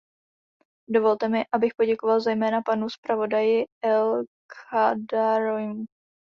Dovolte mi, abych poděkoval zejména panu zpravodaji El Khadraouimu.